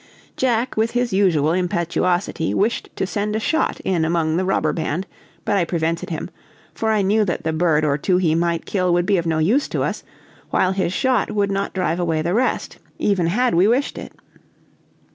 Jack, with his usual impetuosity, wished to send a shot in among the robber band, but I prevented him, for I knew that the bird or two he might kill would be of no use to us, while his shot would not drive away the rest, even had we wished it.